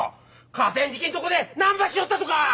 河川敷んとこで何ばしよったとか！？